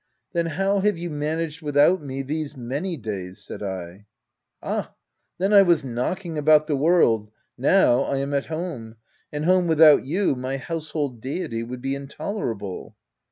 " Then how have you managed without me, these many days Y 3 said I. " Ah ! then I was knocking about the world, now I am at home ; and home without you, my household deity would be intolerable."